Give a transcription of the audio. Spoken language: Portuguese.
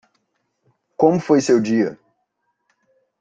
Como foi seu dia